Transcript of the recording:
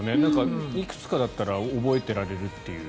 いくつかだったら覚えてられるっていう。